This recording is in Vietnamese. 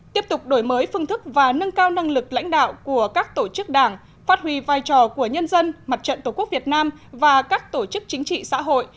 tiếp tục đổi mới phương thức và nâng cao năng lực lãnh đạo của các tổ chức đảng phát huy vai trò của nhân dân mặt trận tổ quốc việt nam và các tổ chức chính trị xã hội